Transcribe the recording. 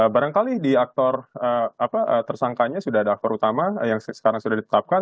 barangkali di aktor tersangkanya sudah ada aktor utama yang sekarang sudah ditetapkan